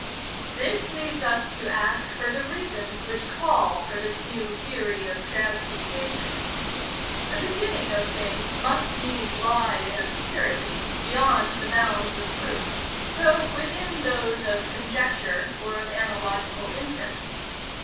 This leads us to ask for the reasons which call for this new theory of transmutation. The beginning of things must needs lie in obscurity, beyond the bounds of proof, though within those of conjecture or of analogical inference.